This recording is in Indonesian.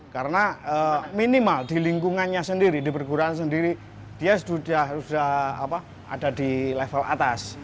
karena minimal di lingkungannya sendiri di perguruan sendiri dia sudah ada di level atas